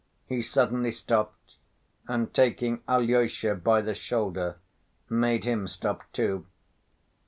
He suddenly stopped and taking Alyosha by the shoulder made him stop too.